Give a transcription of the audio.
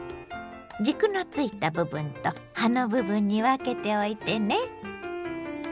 軸のついた部分と葉の部分に分けておいてね。